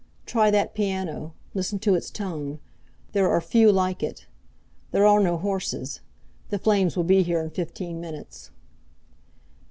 Try that piano. Listen to its tone. There are few like it. There are no horses. The flames will be here in fifteen minutes."